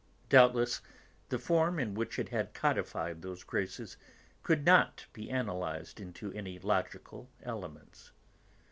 Doubtless the form in which it had codified those graces could not be analysed into any logical elements.